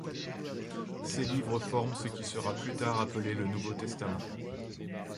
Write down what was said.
Ces livres forment ce qui sera plus tard appelé le Nouveau Testament.